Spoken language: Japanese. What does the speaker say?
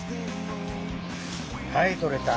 はい取れた。